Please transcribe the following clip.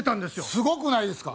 すごくないですか？